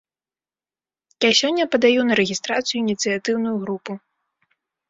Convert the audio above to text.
Я сёння падаю на рэгістрацыю ініцыятыўную групу.